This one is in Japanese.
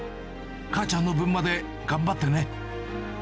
かーちゃんの分まで頑張ってね。